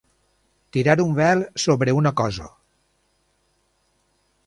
Tirar un vel sobre una cosa.